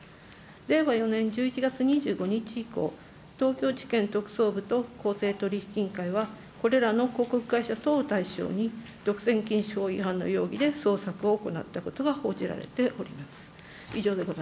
令和４年１１月２５日以降、東京地検特捜部と公正取引委員会は、これらの広告会社等を対象に、独占禁止法違反の容疑で捜索を行ったことが報じられております。